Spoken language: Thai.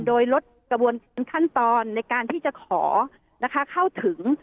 โดยลดกระบวนขั้นตอนในการที่จะขอเข้าถึง